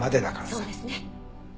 そうですね。